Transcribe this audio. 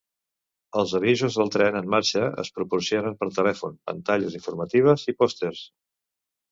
Els avisos del tren en marxa es proporcionen per telèfon, pantalles informatives i pòsters.